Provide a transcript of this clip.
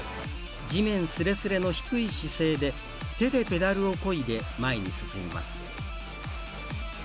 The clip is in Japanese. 地面すれすれの低い姿勢で手でペダルをこいで前に進みます。